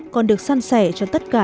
còn được san sẻ cho tất cả